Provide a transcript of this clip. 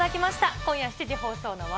今夜７時放送の笑